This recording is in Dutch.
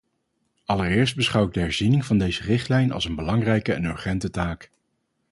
Allereerst beschouw ik de herziening van deze richtlijn als een belangrijke en urgente taak.